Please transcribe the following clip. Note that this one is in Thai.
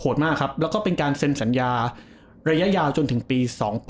มากครับแล้วก็เป็นการเซ็นสัญญาระยะยาวจนถึงปี๒๘